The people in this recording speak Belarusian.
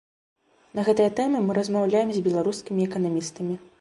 На гэтыя тэмы мы размаўляем з беларускімі эканамістамі.